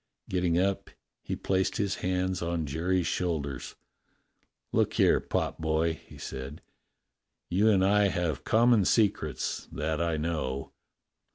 Getting up, he placed his hands on Jerry's shoulders. "Look here, potboy," he said, "you and I have com mon secrets that I know.